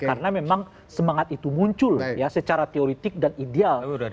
karena memang semangat itu muncul ya secara teoritik dan ideal di dalam